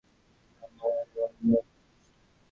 ইহা মানুষের মুক্তিলাভের নিরন্তর চেষ্টা।